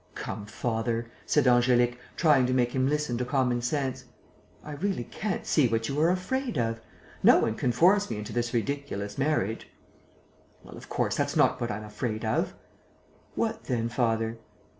"Come, father," said Angélique, trying to make him listen to common sense. "I really can't see what you are afraid of. No one can force me into this ridiculous marriage." "Well, of course, that's not what I'm afraid of." "What then, father?"